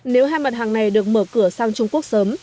nếu hai mặt hàng này được mở cửa sang trung quốc sớm